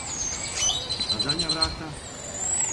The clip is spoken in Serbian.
А задња врата?